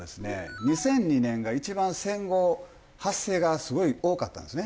２００２年が一番戦後発生がすごい多かったんですね。